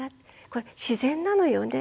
これ自然なのよね。